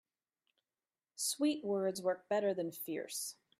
Sweet words work better than fierce.